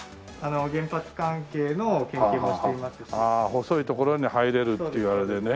ああ細い所に入れるっていうあれでね。